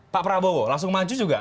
pak prabowo langsung maju juga